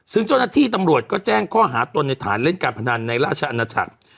ซึ่งเจ้าหน้าที่ตำรวจก็แจ้งข้อหาตนในฐานเล่นการพนันในราชอาณาจักร